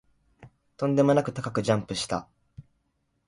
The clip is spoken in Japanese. とんでもなく高くジャンプした